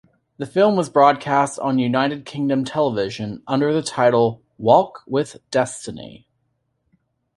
The film was broadcast on United Kingdom television under the title "Walk With Destiny".